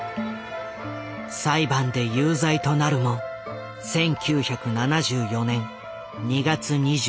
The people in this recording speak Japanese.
裁判で有罪となるも１９７４年２月２７日。